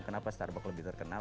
kenapa starbuck lebih terkenal